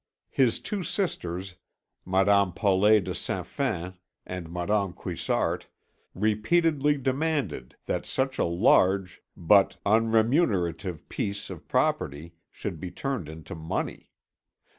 His two sisters, Madame Paulet de Saint Fain and Madame Cuissart, repeatedly demanded that such a large but unremunerative piece of property should be turned into money.